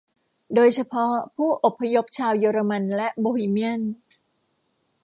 โดยเฉพาะผู้อพยพชาวเยอรมันและโบฮีเมียน